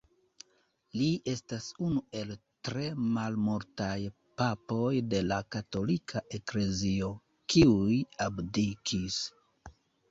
Li estas unu el tre malmultaj papoj de la Katolika Eklezio, kiuj abdikis.